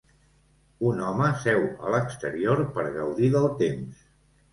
Un home seu a l'exterior per gaudir del temps